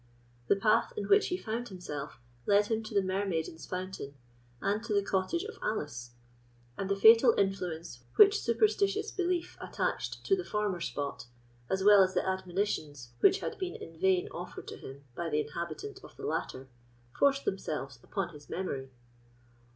The path in which he found himself led him to the Mermaiden's Fountain, and to the cottage of Alice; and the fatal influence which superstitious belief attached to the former spot, as well as the admonitions which had been in vain offered to him by the inhabitant of the latter, forced themselves upon his memory.